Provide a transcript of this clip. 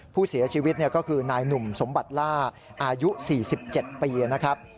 ผู้เสียชีวิตก็คือนายหนุ่มสมบัติล่าอายุ๔๗ปีนะครับ